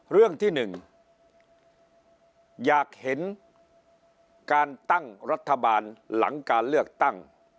เรื่องที่๑อยากเห็นการตั้งรัฐบาลหลังการเลือกตั้ง